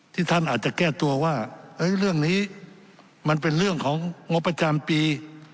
ท่านอาจจะแก้ตัวว่าเรื่องนี้มันเป็นเรื่องของงบประจำปี